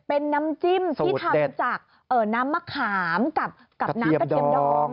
เป็นน้ำจิ้มที่ทำจากน้ำมะขามกับน้ำกระเทียมดอง